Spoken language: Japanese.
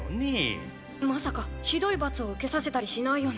まさかひどい罰を受けさせたりしないよね。